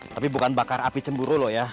tapi bukan bakar api cemburu loh ya